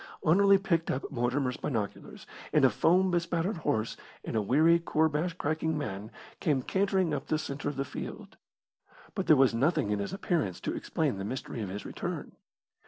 Anerley picked up Mortimer's binoculars, and a foam bespattered horse and a weary koorbash cracking man came cantering up the centre of the field. But there was nothing in his appearance to explain the mystery of his return.